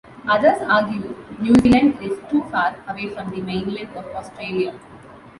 Others argue New Zealand is too far away from the mainland of Australia.